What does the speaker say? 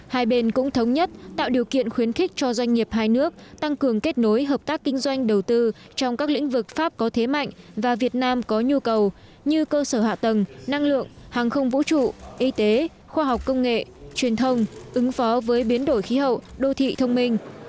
hai bên cũng thống nhất tạo điều kiện khuyến khích cho doanh nghiệp hai nước tăng cường kết nối hợp tác kinh doanh đầu tư trong các lĩnh vực pháp có thế mạnh và việt nam có nhu cầu như cơ sở hạ tầng năng lượng hàng không vũ trụ y tế khoa học công nghệ truyền thông ứng phó với biến đổi khí hậu đô thị thông minh